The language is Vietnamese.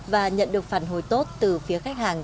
và nhận được phản hồi tốt từ phía khách hàng